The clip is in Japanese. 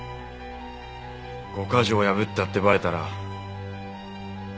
５ヶ条を破ったってバレたら８億が。